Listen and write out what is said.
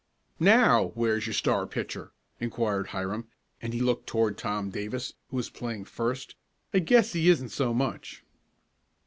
"Now, where's your star pitcher?" inquired Hiram, and he looked toward Tom Davis, who was playing first. "I guess he isn't so much!"